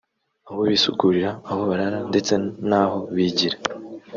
aho bisukurir aho barara ndetse n’aho bigira